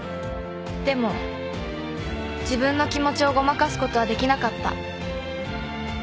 でも自分の気持ちをごまかすことはできなかった